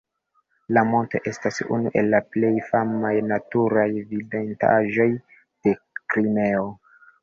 La monto estas unu el la plej famaj naturaj vidindaĵoj de Krimeo.